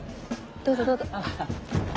どうぞどうぞ。